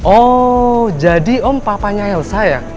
oh jadi om papanya elsa ya